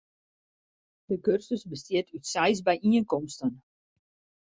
De kursus bestiet út seis byienkomsten.